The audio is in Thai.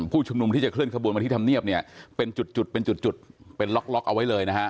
ผู้ชุมนุมที่จะเคลื่อขบวนมาที่ธรรมเนียบเนี่ยเป็นจุดเป็นจุดเป็นล็อกเอาไว้เลยนะฮะ